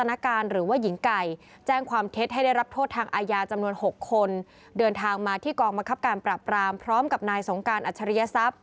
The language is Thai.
ที่น่าจะเป็นช่วยเหลือหญิงไก่ค่ะ